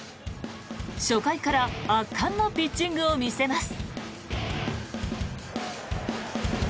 初回から圧巻のピッチングを見せます。